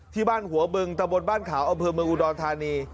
ที่บ้านหัวบึงตะบนบ้านขาวอำเภอเมืองอุดรธานี